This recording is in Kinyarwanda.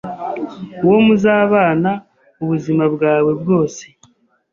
uwo muzabana ubuzima bwawe bwose,